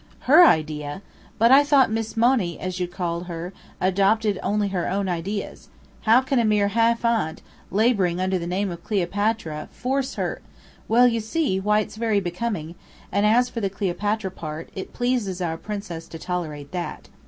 "Her idea! But I thought Miss Monny, as you call her, adopted only her own ideas. How can a mere half aunt, labouring under the name of Cleopatra, force her " "Well, you see, white's very becoming; and as for the Cleopatra part, it pleases our princess to tolerate that.